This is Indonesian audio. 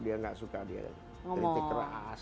dia nggak suka dia kritik keras